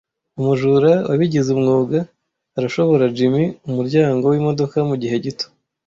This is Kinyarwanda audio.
Umujura wabigize umwuga arashobora jimmy umuryango wimodoka mugihe gito.